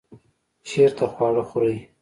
چیرته خواړه خورئ؟